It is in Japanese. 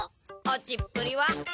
落ちっぷりは？